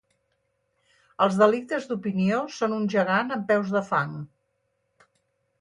Els delictes d'opinió són un gegant amb peus de fang.